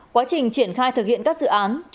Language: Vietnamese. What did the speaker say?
quá trình triển khai thực hiện các dự án